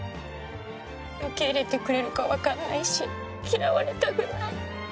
受け入れてくれるかわからないし、嫌われたくない。